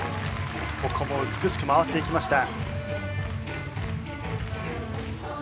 ここも美しく回っていきました。